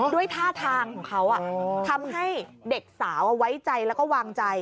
ด้วยท่าทางของเขาทำให้เด็กสาวไว้ใจแล้วก็วางใจ